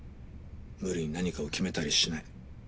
無理に何かを決めたりしない。